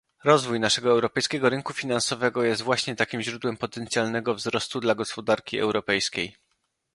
Rozwój naszego europejskiego rynku finansowego jest właśnie takim źródłem potencjalnego wzrostu dla gospodarki europejskiej